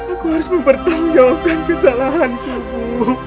aku harus mempertahankan kesalahanku bu